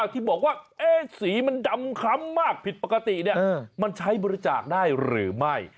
ที่บอกว่าสีมันดำคล้ำมากผิดปกติมันใช้บริจาคได้หรือไม่